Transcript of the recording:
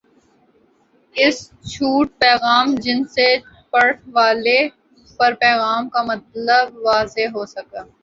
S چھوٹ پیغام جن سے پڑھ والے پر پیغام کا مطلب واضح ہو سکہ